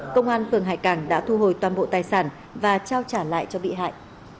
công an phường hải cảng đã thu hồi toàn bộ tài sản và trao trả lại cho bị hại